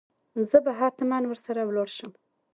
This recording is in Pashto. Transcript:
زه به هتمن ور سره ولاړ شم.